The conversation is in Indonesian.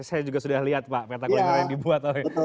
saya juga sudah lihat pak peta kulinernya